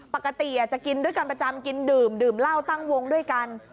ปกติจะกินด้วยกันประจำกินดื่มดื่มเหล้าตั้งวงด้วยกัน